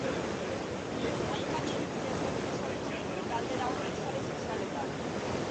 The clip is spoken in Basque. Hainbat iritzi ezberdin sortu ditu galdera honek sare sozialetan.